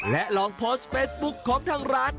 และลองโพสต์เฟซบุ๊คของทางร้าน